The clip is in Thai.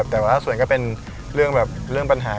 แต่ว่าส่วนก็เป็นเรื่องแบบ